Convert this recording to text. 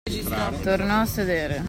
Tornò a sedere.